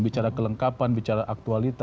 bicara kelengkapan bicara aktualita